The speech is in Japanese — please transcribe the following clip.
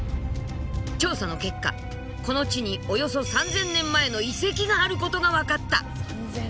調査の結果この地におよそ３，０００年前の遺跡があることが分かった。